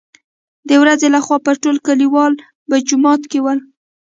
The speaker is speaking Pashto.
دورځې له خوا به ټول کليوال په جومات کې ول.